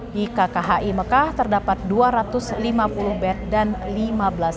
di kkhi mekah terdapat dua ratus lima puluh bed dan lima belas